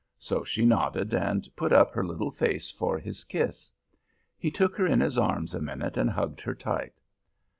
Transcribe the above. So she nodded, and put up her little face for his kiss. He took her in his arms a minute and hugged her tight.